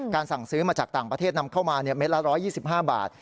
สั่งซื้อมาจากต่างประเทศนำเข้ามาเม็ดละ๑๒๕บาท